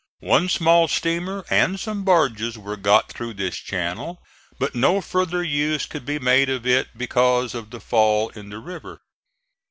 One small steamer and some barges were got through this channel, but no further use could be made of it because of the fall in the river.